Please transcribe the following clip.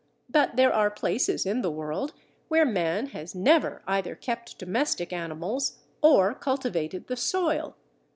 But there are places in the world where man has never either kept domestic animals or cultivated the soil.